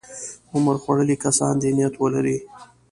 عمر خوړلي کسان دې نیت ولري.